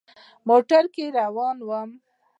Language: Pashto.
موټر کې روان وو.